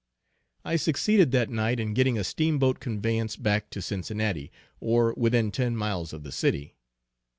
I succeeded that night in getting a steamboat conveyance back to Cincinnati, or within ten miles of the city.